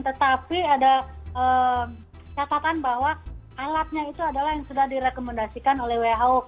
tetapi ada catatan bahwa alatnya itu adalah yang sudah direkomendasikan oleh who